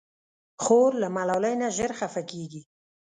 خور له ملالۍ نه ژر خفه کېږي.